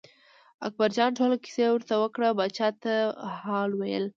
اکبرجان ټوله کیسه ورته وکړه پاچا ته حال ویل.